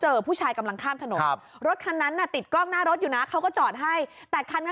หมื่นดันเนียรอขับไปแล้วเขาเจอผู้ชายกำลังข้ามถนนครับอ่ะคันนั้นอ่ะติดกล้องหน้ารถอยู่นะเขาก็จอดให้แตะค่ะ